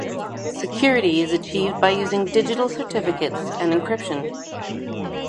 Security is achieved by using digital certificates and encryption.